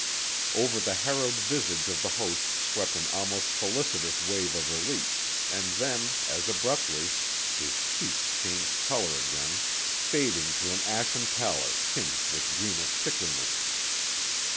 Over the harrowed visage of the host swept an almost felicitous wave of relief and then, as abruptly, his cheeks changed color again, fading to an ashen pallor tinged with greenish sickliness.